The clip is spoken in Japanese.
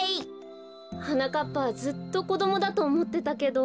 はなかっぱはずっとこどもだとおもってたけど。